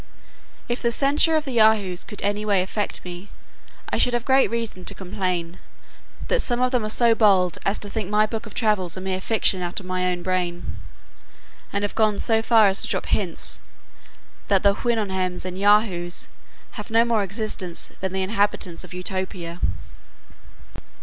If the censure of the Yahoos could any way affect me, I should have great reason to complain, that some of them are so bold as to think my book of travels a mere fiction out of mine own brain, and have gone so far as to drop hints, that the Houyhnhnms and Yahoos have no more existence than the inhabitants of Utopia.